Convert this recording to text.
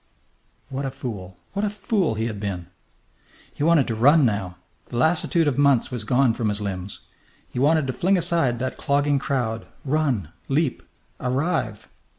What a fool! What a fool he had been! He wanted to run now. The lassitude of months was gone from his limbs. He wanted to fling aside that clogging crowd, run, leap, arrive.